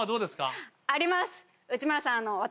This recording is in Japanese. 内村さん私。